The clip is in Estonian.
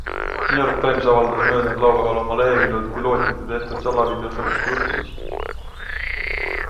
New York Times avaldas möödunud laupäeval oma leheküljel pilootide tehtud salavideo sellest juhtumist.